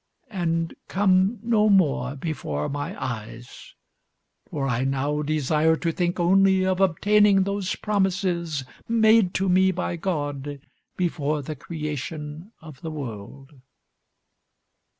And come no more before my eyes, for I now desire to think only of obtaining those promises made to me by God before the creation of the world."